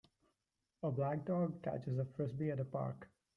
A black dog catches a Frisbee at a park.